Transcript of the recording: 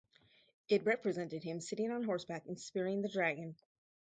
It represented him sitting on horseback and spearing the dragon.